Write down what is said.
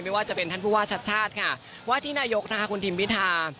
ไม่ว่าจะเป็นท่านผู้ว่าชัดชาติค่ะว่าที่นายกนะคะคุณทิมพิธา